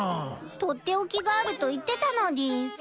とっておきがあると言ってたのでぃす。